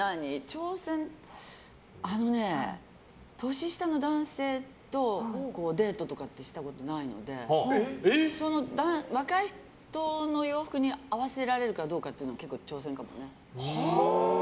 年下の男性とデートとかってしたことないのでその若い人の洋服に合わせられるかどうかは結構、挑戦かもね。